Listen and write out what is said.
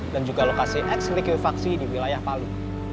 dan juga lokasi x likuifaksi di wilayah palu